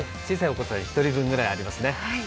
小さいお子さん１人分ぐらいありますね。